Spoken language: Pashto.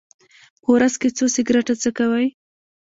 په ورځ کې څو سګرټه څکوئ؟